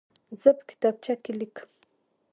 زه په کتابچه کې لیکم.